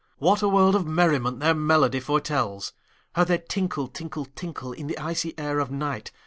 What a world of merriment their melody foretells! How they tinkle, tinkle, tinkle, In the icy air of night!